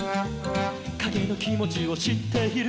「かげのきもちをしっている」